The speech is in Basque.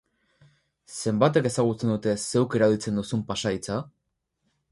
Zenbatek ezagutzen dute zeuk erabiltzen duzun pasahitza?